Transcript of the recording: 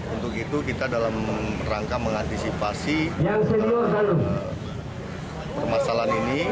untuk itu kita dalam rangka mengantisipasi permasalahan ini